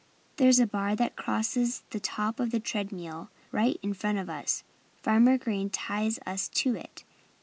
"There's a bar that crosses the top of the tread mill, right in front of us. Farmer Green ties us to it.